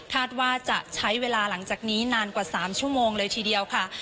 ว่าจะใช้เวลาหลังจากนี้นานกว่า๓ชั่วโมงเลยทีเดียวค่ะ